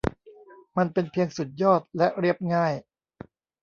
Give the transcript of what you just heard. มันเป็นเพียงสุดยอดและเรียบง่าย